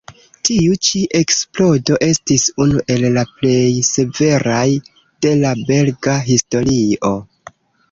Tiu ĉi eksplodo estis unu el la plej severaj de la belga historio.